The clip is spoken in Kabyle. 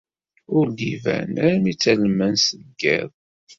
Ur d-iban armi d talemmast n yiḍ.